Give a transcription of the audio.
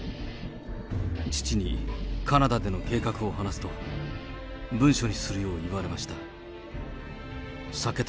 父にカナダでの計画を話すと、文書にするよう言われました。